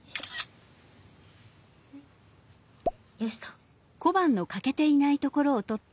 よしと。